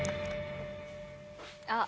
「あっ」